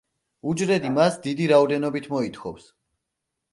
უჯრედი მას დიდი რაოდენობით მოითხოვს.